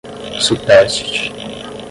supérstite